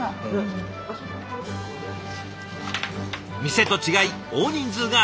店と違い大人数が相手。